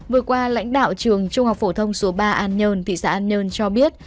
vừa qua lãnh đạo trường trung học phổ thông số ba an nhơn thị xã an nhơn cho biết